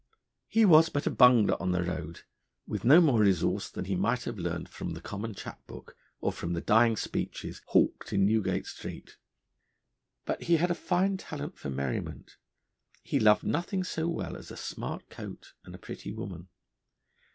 He was but a bungler on the road, with no more resource than he might have learned from the common chap book, or from the dying speeches, hawked in Newgate Street. But he had a fine talent for merriment; he loved nothing so well as a smart coat and a pretty woman.